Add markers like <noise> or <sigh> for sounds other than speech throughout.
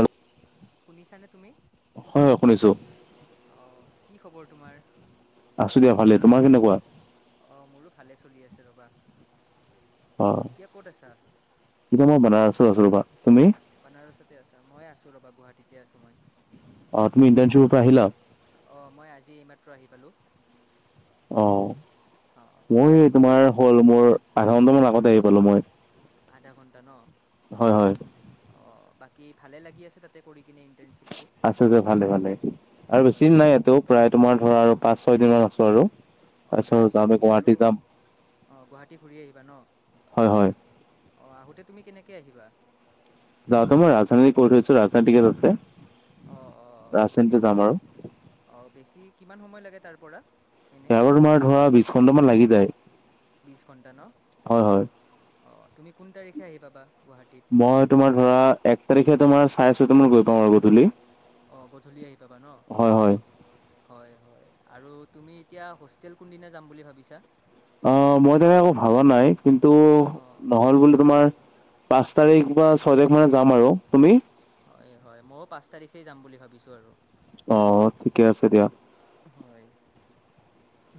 হয় শুনিছা নে তুমি? হয় শুনিছো অ', কি খবৰ তোমাৰ? আছো দিয়া ভালেই, তোমাৰ কেনেকুৱা। অ', মোৰো ভালেই চলি আছে ৰ'বা। অ', এতিয়া ক'ত আছা এতিয়া মই বানাৰসত আছো ৰ'বা, তুমি? বানাৰসতে আছা মই আছোঁ ৰ'বা গুৱাহাটীতে আছোঁ মই। অ', তুমি ইণ্টাৰ্নশ্বিপৰ পৰা আহিলা? অ', মই আজি এইমাত্ৰ আহি পালোঁ। অ', অঁ তুমি মোৰ আজি এই তোমাৰ গৈছিলা হ'ল মোৰ আধা ঘন্টামান আগত আহি পালো মই আধা ঘণ্টা ন? হয়, হয়। অ', বাকী ভালে লাগি আছে তাতে কৰি কিনে ইণ্টাৰ্নশ্বিপ। আছে যে ভালে ভালে আৰু বেছি হয় দিন নাই হয় ইয়াতো হয় প্ৰায় তোমাৰ ধৰা আৰু পাঁচ ছয় দিন মান আছো আৰু। অ', তাৰপিছত যাওঁতে তুমি গুৱাহাটী আৰু যাম অ' গুৱাহাটী ঘূৰি আহিবা ন? হয় হয় অ', আহোতে তুমি কেনেকে আহিবা? যাওঁতে মই ৰাজধানীত কৰি থৈছো ৰাজধানীৰ টিকেট আছে। অ', অ', অ', ঠিকে ৰাজধানীতে যাম আছে, আৰু অ' বেছি কিমান সময় লাগে তাৰপৰা? ইয়াৰ পৰা তোমাৰ ধৰা বিশ ঘন্টামান লাগি যায়। বিশ ঘণ্টা ন, হয় হয় অ' তুমি কোন তাৰিখে আহি পাবা গুৱাহাটীত? মই তোমাৰ ধৰা এক তাৰিখে তোমাৰ চাৰে ছয়টা মানত গৈ পাওঁ আৰু গধূলি। অ', গধূলি আহি পাবা ন'। হয় হয় হয় হয়, আৰু তুমি এতিয়া হোষ্টেল কোনদিনা যাম বুলি ভাবিছা? আ, মই তেনেকে একো ভাবা নাই কিন্তু অঁ নহ'ল বুলি তোমাৰ পাঁচ তাৰিখ বা ছয় তাৰিখ মানে যাম আৰু। তুমি? হয় হয়, ময়ো পাঁচ তাৰিখে যাম বুলি ভাবিছোঁ আৰু। অ', ঠিকে আছে দিয়া। হয়।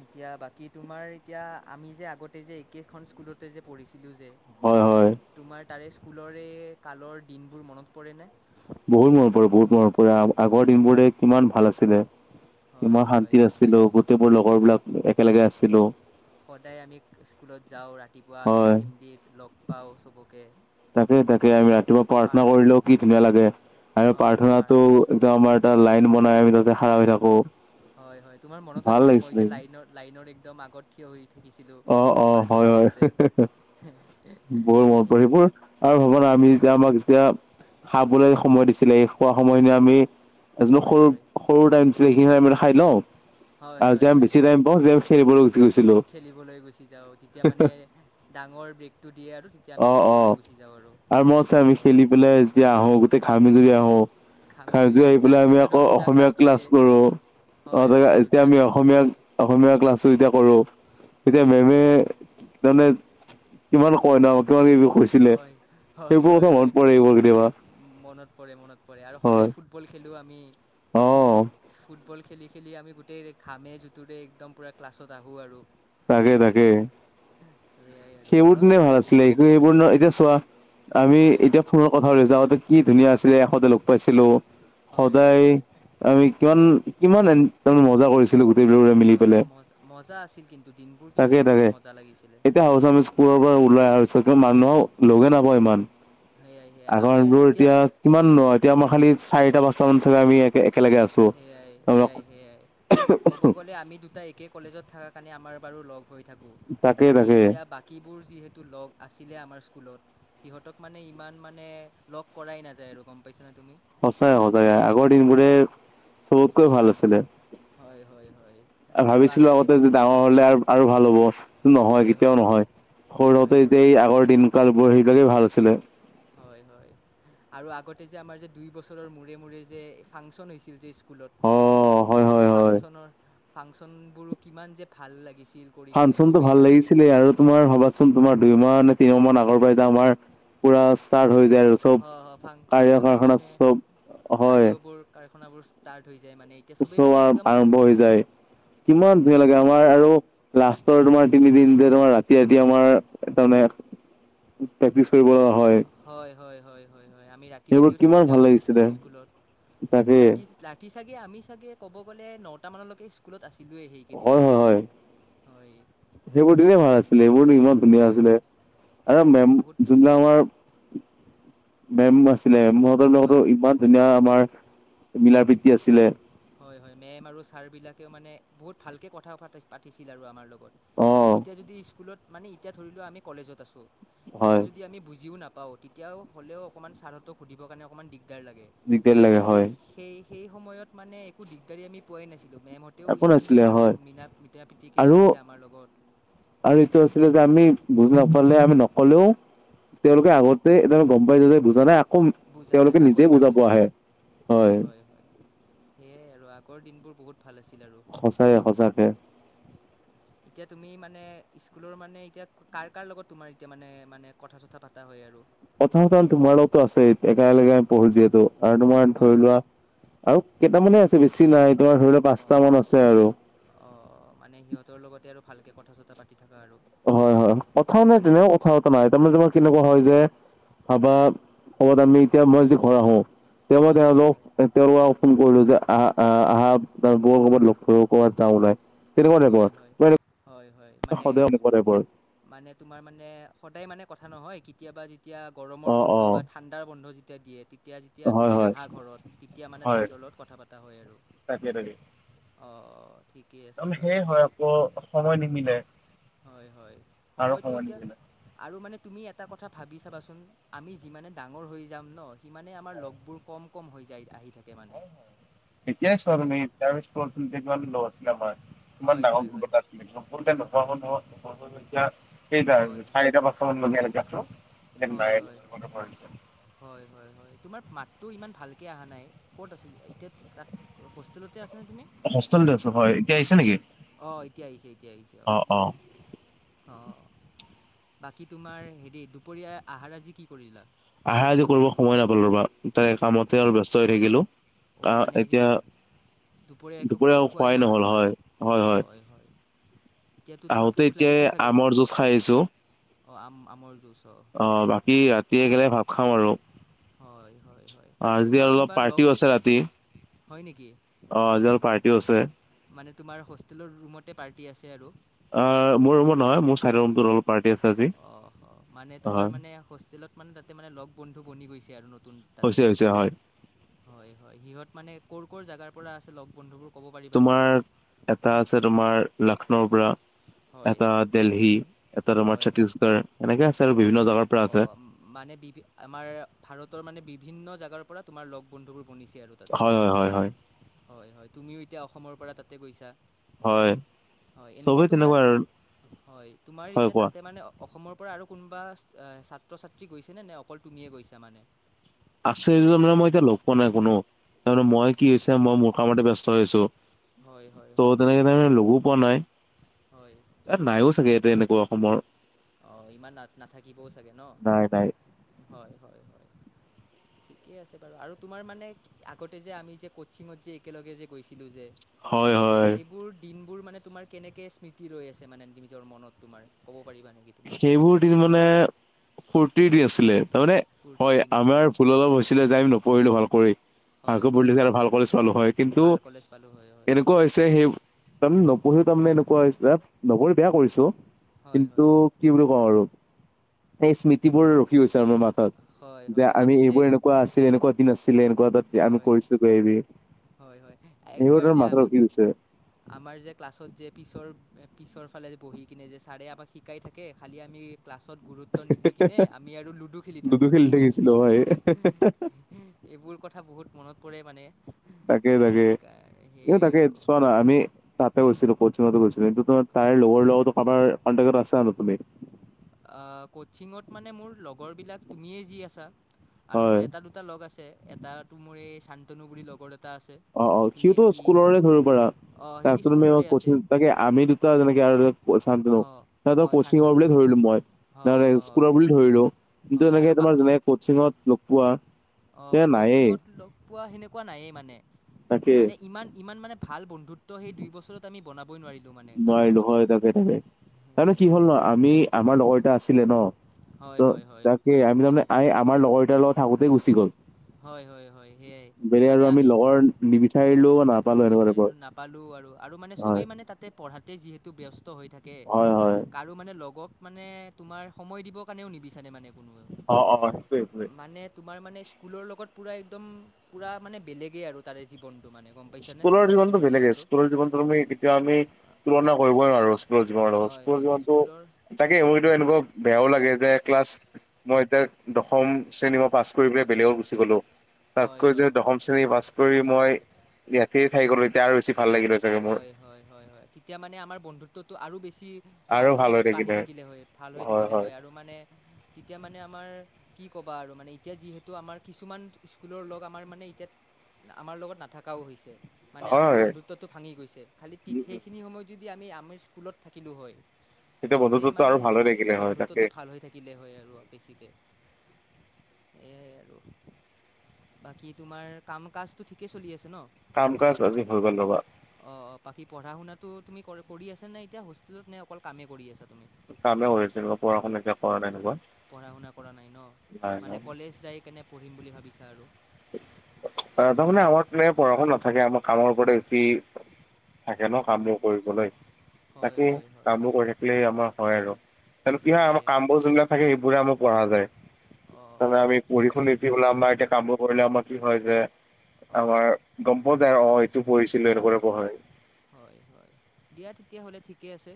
এতিয়া বাকী তোমাৰ এতিয়া আমি যে আগতে যে একেইখন স্কুলত তে যে পঢ়িছিলোঁ যে, হয় হয় তোমাৰ তাৰে স্কুলৰে কালৰ দিনবোৰ মনত পৰেনে? বহুত মনত, পৰে বহুত মনত পৰে। আগ-আগৰ দিনবোৰে কিমান ভাল আছিলে। কি হয় মই হয় শান্তি আহ আছিলোঁ, গোটেইবোৰ লগৰবিলাক একেলগে আছিলোঁ। সদায় আমি স্কুলত যাওঁ, ৰাতিপুৱা আমি হয় এচেম্বলিত লগ পাওঁ চবকে। তাকে তাকে আমি ৰাতিপুৱা পাৰ প্ৰাৰ্থনা কৰিলেও কি ধুনীয়া লাগে আৰু হয় হয় প্ৰাৰ্থনাটো পাৰ ত' আমাৰ এটা লাইন বনাই, আমি তাতে খাৰা হৈ থাকোঁ। হয় হয়, তোমাৰ মনত আছেনে মই যে লাইনৰ, লাইনৰ একদম আগত থিয় হৈ থাকিছিলোঁ অ' অ' হয় প্ৰাৰ্থনা হয় কৰোঁতে। বৰ মনত পৰে সেইবোৰ আৰু ভবা না আমি যেতিয়া, আমাক যেতিয়া খাবলৈ সময় দিছিলে এ, খোৱা সময়খিনি আমি এজন হয় সৰু হয় সৰু টাইমছ লৈ সেইখিনি টাইম খাই লওঁ হয় আৰু হয় যেতিয়া আমি হয় বেছি হয় টাইম পাওঁ যে খেলিবলৈ গুচি গৈছিলোঁ। খেলিবলৈ গুচি যাওঁ, তেতিয়া মানে ডাঙৰ ব্ৰেকটো দিয়ে আৰু তেতিয়া আমি অ', খেলিবলৈ অ', গুচি যাওঁ আৰু মই আছে, আমি হয় খেলি পেলাই যেতিয়া আহোঁ, গোটেই ঘামি জুৰি আহোঁ ঘামি খাই জুৰি যে আহোঁ আহি পেলাই আমি তাৰপিছত আৰু আকৌ দুটা অসমীয়া ক্লাছ থাকে কৰোঁ। অ', হয় ত' হয় হয় এতিয়া দুটা আমি দুটা অসমীয়া, অসমীয়া ক্লাছটো যেতিয়া কৰোঁ তেতিয়া হয় মেমে মানে কিমান কই ন' তোমাক এইবোৰ কৰিছিলে, হয় হয় হয় সেইবোৰো হয় মনত পৰে এইবোৰ কেতিয়াবা। মনত পৰে মনত পৰে, আৰু হয় সদায় ফুটবল খেলোঁ আমি। অ' ফুট বল খেলি খেলি আমি গোটেই ঘামে জুটোৰে একদম পুৰা ক্লাছত আহোঁ আৰু। তাকে তাকে, সেয়াই আৰু সেইবোৰ মনত দিনে পৰে ভাল দিয়া আছিলে, এইখিনি এতিয়া চোৱা আমি হয় এতিয়া হয় ফোনত কথা পাতি আছোঁ, আগতে কি ধুনীয়া আছিলে, এষতে লগ পাইছিলোঁ। হয়, হয়, হয়। আমি কিমান, কিমান এন তাৰে মজা কৰিছোঁ। <unintelligible> গোটেই ৰ'দ মজা মজ-মজা আছিল কিন্তু, দিনবোৰ কিন্তু বহুত মজা লাগিছিলে। <unintelligible> পুৰৰ পৰা ওলাই অহা পিছত কিন্তু মানুহক লগে নাপাওঁ ইমান। সেয়াই সেয়াই আমি আগৰবোৰ এতিয়া কিমান ন' এতিয়া মই খালি চাৰিটা পা <unintelligible> চাগে আমি একে একেলগে সেয়াই আছোঁ। <unintelligible> বুলে আমি দুটা একে কলেজত থাকা কাৰনে আমাৰ বাৰু লগ হৈ থাকোঁ, তাকে খালি তাকে এতিয়া বা কিবোৰ যিহেতু লগ আছিলে আমাৰ স্কুলত, সিহঁতক মানে ইমান মানে লগ কৰাই নাযায় আৰু গম পাইছানে তুমি? সঁচাই সঁচাই, আগৰ দিনবোৰে চবতকৈ ভাল আছিলে। হয় হয় হয় ভাবিছিলোঁ আগতে য ডাঙৰ হ'লে আৰু আৰু ভাল হ'ব, নহয় হয় কেতিয়াও হয় হয় নহয়, হয় সৰুতে হয় যেতিয়া এই আগৰ দিন কালবোৰ হেৰিলৈকে ভাল আছিলে। হয় হয়। আৰু আগতে যে আমাৰ যে দুই বছৰৰ মূৰে মূৰে যে ফাংচন হৈছিল যে স্কুলত। অ হয় হয় হয়। ফাংচনৰ ফাংচনবোৰো কিমান যে ভাল লাগিছিল! কৰি কিনে ফাংচনটো চবেই ভাল মানে লাগিছিলে আৰু তোমাৰ ভাবাচোন চোন তোমাৰ দুই মাহ নে তিনিমাহ মান আগৰ পৰাই এতিয়া আমাৰ পোৰা ষ্টাৰ্ট হৈ যায় আৰু। চব হ ফাং কাৰ্য ফাংচনৰ কাৰখানা মানে চব হয় কাৰিয়বোৰ কাৰখানাবোৰ ষ্টাৰ্ট হৈ যায় মানে। এতিয়া চবেই উসৱ মানে হোৱাৰ একদম আৰম্ভ হৈ যায় একদম কিমান ধুনীয়া মানে লাগে আমাৰ আৰু লাষ্টৰ তোমাৰ তিনিদিন যে তোমাৰ ৰাতি ৰাতি আমাৰ তাৰমানে প্ৰেক্টিচ কৰিব লগা হয়। হয় হয় হয় হয় হয় আমি ৰাতি সেইবোৰ ৰাতিও থাকি কিমান ভাল যাওঁ লাগিছিলে স্কুলত, তাকে ৰাতি ৰা কি চাগে আমি চাগে ক'ব গ'লে নটামানলৈকে স্কুলত আছিলোঁৱে হেই কেইদিন হয় হয় হয় হয়। সেইবোৰ দিনেই ভাল আছিলে, এইবোৰ ইমান ধুনীয়া হয় আছিলে, হয় আৰু সেইবোৰ দিন মেম বহুত যোনদিনা আমাৰ মেম আছিলে মেমহতৰ লগতো হয় ইমান ধুনীয়া আমাৰ মিলা প্ৰীতি আছিলে। হয় হয় মেম আৰু ছাৰ বিলাকেও মানে বহুত ভালকে কথা পাতিছিল আৰু আমাৰ লগ গত, অ কি এতিয়া যদি স্কুলত মানে এতিয়া ধৰি লোৱা আমি কলেজত আছোঁ কিবা হয় যদি আমি বুজিও নাপাওঁ তেতিয়াও হ'লেও অকণমান ছাৰহঁতক সুধিবৰ কাৰণে অকণমান দিগদাৰ লাগে। দিগদাৰি লাগে খালি হয় সেই সেই সময়ত মানে একো দিগদাৰি আমি পোৱাই নাছিলো মেমহঁত তেওঁ একো ইমান নাছিলে ভাল হয় মীনা মিতা প্ৰীতিকে আৰু আছিলে আমাৰ লগত। আৰু এইটো আছিলে যে আমি বুজি নাপালে আমি নকলেও তেওঁলোকে হয় আগতে এইটো গম পায় যায় যে বুজা নাই আকৌ বুজা নাই তেওঁলোকে আকৌ নিজে এবাৰ বুজাব বুজাই আহে দিয়ে, হয় হয় হয়। সেয়াই আৰু আগৰ দিনবোৰ বহুত ভাল আছিল আৰু। সঁচাই সঁচাকে এতিয়া তুমি মানে স্কুলৰ মানে এতিয়া কাৰ কাৰ লগত তোমাৰ এতিয়া মানে মানে কথা চথা পাতা হয় আৰু? কথা বতৰা তোমাৰ লগতো আছে একেগে আমি পঢ়ো যিহেতু। আৰু তোমাৰ ধৰি হয় লোৱা হয় আৰু কেইটামানে আছে বেছি নাই তোমাৰ ধৰি লোৱা পাঁচটা অঁ মান আছে আৰু। অঁ মানে সিহঁতৰ লগতে আৰু ভালকে কথা চথা পাতি থকা আৰু। হয় হয় কথা মানে তেনেও কথা পতা নাই তাৰমানে তোমাৰ কেনেকোৱা হয় যে ভাবা কবাত আমি এতিয়া মই যদি ঘৰ আহো তেওঁ হয় হয় তেওঁলোক হয় তেওঁলোকক ফোন কৰিলো যে আহা আহ আহা ব ক'ৰবাত লগ কৰ'বাত যাওঁ উলাই। হয় হয় হয় হয়। এ মানে সদায় এনেকোৱা টাইপৰ। মানে তোমাৰ মানে সদায় মানে কথা নহয় কেতিয়াবা যেতিয়া অ গৰমৰ বন্ধ অ বা ঠা ঠাণ্ডাৰ বন্ধ যেতিয়া দিয়ে তি তেতিয়া যেতিয়া হয় তুমি হয় আহা ঘৰত তেতিয়া মানে তাহাঁতৰ লগত কথা পতা হয় আৰু? অ অ ঠিকেই আছে বাৰু, হয় হয় সময়টো এতিয়া আৰু মানে তুমি এটা কথা ভাবি চাবাচোন, আমি যিমানে ডাঙৰ হৈ যাম ন সিমানে আমাৰ লগবোৰ কম কম হৈ যায় আহি থাক এতিয়াই চোৱা তুমি তাৰ স্কুলত <inaudible> কিমান লগ আছিলে আমাৰ কিমান হয় ডাঙৰ হয় হয় গ্ৰুপ এটা <inaudible> কেইটা হয় চাৰিটা পাঁচটামান লোগে এনেকে আছো <inaudible> হয় হয় হয় হয় হয় তোমাৰ মাতটো ইমান ভালকে আহা নাই, ক'ত আছিল এতিয়া তাত হোষ্টেলতে আছানে তুমি? <inaudible> এতিয়া হোষ্টেলতে আছো হয় এতিয়া আহিছে নেকি? অহ এতিয়া আহিছে এতিয়া আহিছে অ। অঁ অঁ। অঁ বাকী তোমাৰ হেৰি দুপৰীয়া আহাৰ আজি কি কৰিলা আহাৰ আজি কৰিব সময় নাপালো ৰবা তাৰে কামতে আৰু ব্যস্ত হৈ থাকিলো অঁ আহ মানে আজি এতিয়া দুপৰীয়া একো খোৱাই নহল হয় হয় হয় এতিয়াতো তোমাৰ আহোতে ভোক এতিয়াই লাগিছে চাগে আমৰ জুজ খাই আহিছো অঁ আম আমৰ জুচ অঁ অ বাকী ৰাতি একলগে ভাত খাম আৰু হয় হয় হয় তাতে আজি তোমাৰ আৰু অলপ কোনোবা লগ পাৰ্টিও আছে ৰাতি হয় নেকি অ আজি অলপ পাৰ্টিও আছে মানে তোমাৰ হোষ্টেলৰ ৰুমতে পাৰ্টি আছে আৰু অ মোৰ ৰুমত নহয় মোৰ চাইডৰ ৰুমটোত অলপ পাৰ্টি আছে আজি হয় সেয়া হোষ্টেলত মানে তাতে মানে লগ বন্ধু বনি গৈছে আৰু নতুন তাতে হৈছে হৈছে হয় হয় হয় সিহঁত মানে কৰ' কৰ' জাগাৰ পৰা আছে লগ বন্ধুবোৰ ক'ব পাৰিবা নেকি তোমাৰ এটা আছে তোমাৰ লাক্ষ্ণৌৰ পৰা হয় এটা দেল্হী এটা তোমাৰ ছত্তিশগড় এনেকে আছে আৰু বিভিন্ন জাগাৰ অঁ আম মানে বিভি আমাৰ ভাৰতৰ মানে বিভিন্ন জাগাৰ পৰা তোমাৰ লগ বন্ধুবোৰ বনিছে আৰু তাতে হয় হয় হয় হয় হয় হয় তুমিও এতিয়া অসমৰ পৰা তাতে গৈছা হয় হয় এনেকে চবেই তোমাৰ তেনেকুৱা আৰু হয় তোমাৰ হয় এতিয়া কোৱা তাতে মানে অ অসমৰ পৰা আৰু কোনোবা এ ছাত্ৰ-ছাত্ৰী গৈছেনে, নে অকল তুমিয়ে গৈছা মানে। আছে নে নাই, মানে মই এতিয়া লগ পোৱা নাই কোনো, তাৰে মানে মই কি হৈছে মই মোৰ কামতে ব্যস্ত হৈ আছো। হয় হয় ত' হয় তেনেকে তেনেকে লগো পোৱা নাই। হয় এ নাইও চাগে, ইয়াতে এনেকুৱা অসমৰ। অঁ ইমান না নাথাকিবও চাগে ন, নাই নাই। হয়, হয়, হয়। ঠিকে আছে বাৰু আৰু তোমাৰ মানে আগতে যে, আমি যে, কচিঙত যে, একেলগে যে, গৈছিলো যে। হয় হয় সেইবোৰ দিনবোৰ মানে তোমাৰ কেনেকে স্মৃতি ৰৈ আছে মানে, নিজৰ মনত তোমাৰ ক'ব পাৰিবা নেকি? তুমি সেইবোৰ মানে ফূৰ্তি দি আছিলে তাৰমানে ফূৰ্তিৰ হয় দিন আছিল আমাৰ ন ভুল অলপ হৈছিলে যে আমি নপঢ়িলো ভাল কৰি। হয় ভালেকৈ পঢ়িলে হয় যে আৰু ভাল কলেজ পালোঁ হয়, কিন্তু ভাল কলেজ পালোঁ হয় হয় এনেকুৱা হৈছে সেই তাৰমানে নপঢ়িও তাৰমানে এনেকুৱা হৈছে, নপঢ়ি বেয়া কৰিছো হয় কিন্তু হয় কি বুলি কওঁ আৰু এই স্মৃতিবোৰ ৰখি গৈছে আৰু মাথাত, হয় যে হয় আমি যে এইবোৰ এনেকু কুৱা আছিলে, এনেকুৱা দিন আছিলে, এনেকুৱা এটা যে আমি হয় কৰিছো বেয়াবি, হয় হয় এইবোৰ একবাৰ তোৰ যে মাথা আমি ৰখি গৈছে। আমাৰ যে ক্লাছত যে পিছৰ, পিছৰ ফালে বহি কিনে যে ছাৰে আমাক শিকাই থাকে খালী আমি ক্লাছত গুৰুত্ব নিদি কিনে, আমি আৰু লুডু খেলি থাকোঁ গম পাই এইবোৰ কথা বহুত মনত পৰে মানে। তাকে তাকে এই সেয়াই তাকে আৰু চোৱা ত' আমি তাতে গৈছিলো, কোচিঙটো গৈছিলো সেইটোতো তাইক লগৰ লগতো কাৰবাৰ কণ্টেক্ট ত আছা আৰু তুমি। কচিঙত মানে মোৰ লগৰবিলাক, তুমিয়ে যি আছা আৰু হয়। মোৰ এটা দু টা লগ আছে এটাতো মোৰ এই শান্তনু বুলি লগৰ এটা আছে। অ', অ' সি সিউটো সি স্কুলৰে ধৰিব পাৰা। অঁ সি তাকো তুমি অ' স্কুলৰে আছে কচিঙৰ, তাকে আমি দুটা যেনেকে আৰু ধৰ শান্তনু, অঁ সিহঁতক হয় কছিঙৰ বুলি শান্তনু ধৰি -লো মই, হয় তেনেদৰে হয় হয় স্কুলৰ বুলি সেয়াই ধৰিলো কিন্তু হয় এনেকে আৰু তোমাৰ কোচিংত লগ পোৱা তে অ' নায়েই কোচিংত লগ পোৱা সেনেকুৱা নায়েই মানে, তাকে। মানে ইমান ইমান মানে ভাল বন্ধুত্ব সেই দুই বছৰত ত আমি বনাবই নোৱাৰিলোঁ মানে কাৰো নোৱাৰিলো লগতে, হয় তাকে তাকে তাৰমানে সেয়াই। কি হ'ল ন আমি আমাৰ লগৰগিতা আছিলে ন, হয় ত' হয় হয় তাত সেই আমি তাৰমানে এই আমাৰ লগৰগিতাৰ লগত থাকোতেই গুচি গ'ল। হয় হয় হয় সেয়াই বেলেগ মানে আৰু আমি লগৰ নিবিচাৰিলোও নাপালোঁও এনেকুৱা তাইপৰ। পালোঁ আৰু, আৰু মানে চবেই মানে তাতে পঢ়াতেই যিহেতু ব্যস্ত হৈ থাকে হয় হয় কাৰো মানে লগক মানে তোমাৰ সময় দিবৰ কাৰণেও নিবিচাৰে মানে। কোনোৱেও, অ অ সেইটোৱে সেইটোৱে মানে তোমাৰ মানে স্কুলৰ লগত পূৰা একদম, পূৰা মানে বেলেগেই আৰু তাৰে জীৱনটো মানে। গম পাইছানে স্কুলৰ জীৱনতো ক'চিঙৰ বেলেগে, জীৱনটো স্কুলৰ জীৱনতো আমি কেতিয়াও আমি তুলনা কৰিবই নোৱাৰো স্কুলৰ জীৱনৰ লগত, হয় স্কুলৰ হয় জীৱনটো স্কুলৰ তাকে মোৰটো এনেকুৱাও বেয়াও লাগে যে ক্লাছ, মই এতিয়া দশম শ্ৰেণী মই পাছ কৰি পেলাই বেলেগত গুচি গ'লো, হয় তাতকৈ যে হয় হয় দশম শ্ৰেণী পাছ কৰি মই ইয়াতে থাকি গ'লো তেতিয়া আৰু বেচি ভাল লাগিল হয়। হয়, হয়, হয়, হয়। তেতিয়া মানে আমাৰ বন্ধুত্বটো আৰু বেছি আৰু ভালকে ভাল হৈ বাঢ়ি থাকিলে হয়, ভাল হৈ থাকিলে হয় আৰু মানে, তেতিয়া মানে আমাৰ কি ক'বা আৰু মানে এতিয়া যিহেতু আমাৰ কিছুমান স্কুলৰ লগ আমাৰ মানে এতিয়া আমাৰ লগত নাথাকাও হৈছে, মানে হয় আমাৰ হয় বন্ধুত্বটো ভাঙি গৈছে, খালি উম তিত উম সেইখিনি সময়ত তেতিয়া যদি আমি আমি স্কুলত থাকিলো হয়, তেতিয়া তে বন্ধুত্বটো আৰু মানে ভাল হৈ থাকিলে হয় তাকে বন্ধুত্বটো ভাল হৈ থাকি থাকিলে হয় আৰু বেছিকে সেইয়াই আৰু। বাকী তোমাৰ কাম কাজটো ঠিকেই চলি আছে ন। কাম কাজ আজি হৈ গ'ল ৰ'বা। অ', অ' বাকী পঢ়া শুনাতো তুমি কৰি আছা নে এতিয়া, হোষ্টেলত নে, অকল কামে কৰি আছা তুমি। কামে কৰি আছো এনেকুৱা পঢ়া শুনা এতিয়া কৰা নাই এনেকুৱা পঢ়া শুনা কৰা নাই ন নাই মানে নাই কলেজ যাই কেনে পঢ়িম বুলি ভাবিছা আৰু অ তাৰমানে আমাৰ তেনেকে মানে পঢ়া শুনা নাথাকে আমাৰ কামৰ ওপৰতে বেছি থাকে ন কামবোৰ কৰিবলৈ হয় বাকী হয় হয় কামবোৰ কৰি থাকিলে আমাৰ হয় আৰু কি হয় সেয়াই আমাৰ আৰু কাম বোৰ যোনবিলাক থাকে সেইবোৰে আমাৰ পঢ়া যায় তাতে আমি অঁ পঢ়ি শুনি <unintelligible> আমাৰ এতিয়া কামবোৰ পঢ়িলে আমাৰ কি হয় যে অঁ আমাৰ অঁ গম পোৱা যায় অ এইটো পঢ়িছিলো এনেকুৱা তাইপৰ হয়। হয় হয় দিয়া তেতিয়াহ'লে ঠিকে আছে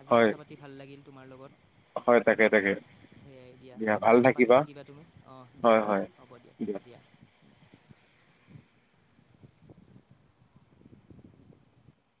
আজি হয় কথা পাতি ভাল লাগিল তোমাৰ লগত। হয় তাকে তাকে। সেয়াই দিয়া কথা চথা পাতি থাকিবা তুমি অ দিয়া হয় হয় হ'ব দিয়া দিয়া।